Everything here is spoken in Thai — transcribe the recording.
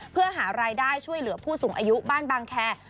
เพื่อหารายได้ช่วยเหลือผู้สูงอายุบ้านบางแคร์